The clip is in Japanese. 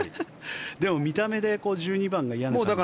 でも、見た目で１２番が嫌な感じはしました？